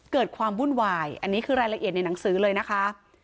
เกิดความวุ่นวายอันนี้คือรายละเอียดในหนังสือเลยนะคะ